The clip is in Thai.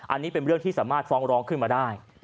อันนี้เป็นเรื่องที่สามารถฟ้องร้องขึ้นมาได้